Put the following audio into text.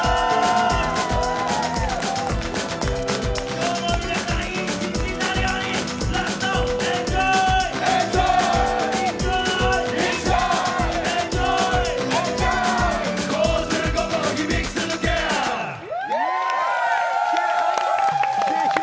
今日も皆さん、いい一日になるように、ラスト、エンジョイ！